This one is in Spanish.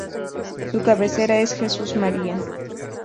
Su cabecera es Jesús María.